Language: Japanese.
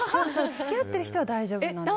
付き合っている人は大丈夫なんです。